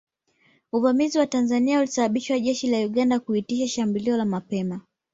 Uvamizi wa Tanzania ulisababisha jeshi la Uganda kuitisha shambulio la mapema